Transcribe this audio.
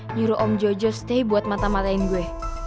nyuruh om jojo stay buat matamatein gue